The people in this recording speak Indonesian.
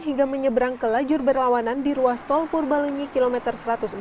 hingga menyeberang ke lajur berlawanan di ruas tol purbalenyi kilometer satu ratus empat puluh